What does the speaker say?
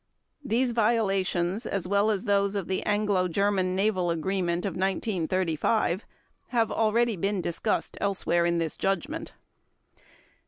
These violations, as well as those of the Anglo German Naval Agreement of 1935, have already been discussed elsewhere in this Judgment.